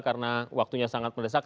karena waktunya sangat melesak